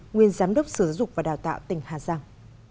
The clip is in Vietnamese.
nguyên giám đốc sở dục và đào tạo tỉnh hà giang